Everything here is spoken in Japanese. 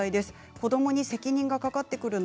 子どもに責任がかかってくるの？